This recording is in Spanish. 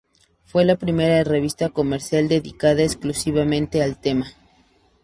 Fue la primera revista comercial dedicada exclusivamente al tema.